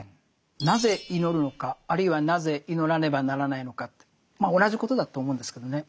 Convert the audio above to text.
なぜ祈るのかあるいはなぜ祈らねばならないのかってまあ同じことだと思うんですけどね。